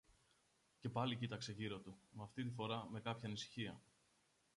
Και πάλι κοίταξε γύρω του, μα αυτή τη φορά με κάποια ανησυχία.